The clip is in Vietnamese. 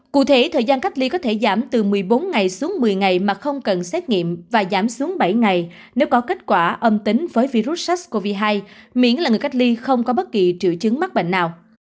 cụ thể thời gian cách ly có thể giảm từ một mươi bốn ngày xuống một mươi ngày mà không cần xét nghiệm và giảm xuống bảy ngày nếu có kết quả âm tính với virus sars cov hai miễn là người cách ly không có bất kỳ triệu chứng mắc bệnh nào